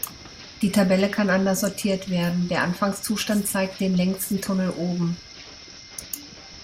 Die Tabelle kann anders sortiert werden; der Anfangszustand zeigt den längsten Tunnel oben.